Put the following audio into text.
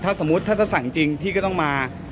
ถ้าสมมุติถ้าจะสั่งจริงพี่ก็ต้องมา